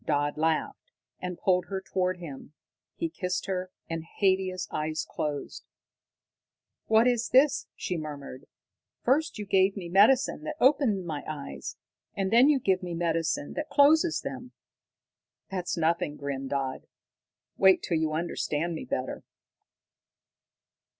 Dodd laughed, and pulled her toward him. He kissed her, and Haidia's eyes closed. "What is this?" she murmured. "First you give me medicine that opens my eyes, and then you give me medicine that closes them." "That's nothing," grinned Dodd. "Wait till you understand me better."